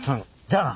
じゃあな。